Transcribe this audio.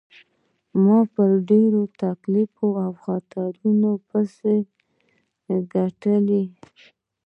ما په ډیرو تکلیفونو او خطرونو پیسې ګټلي.